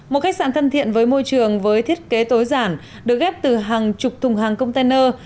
một khách sạn thân thiện với môi trường với thiết kế tối giản được ghép từ hàng chục thùng hàng container